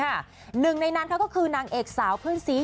หนึ่งในนั้นก็คือนางเอกสาวเพื่อนซี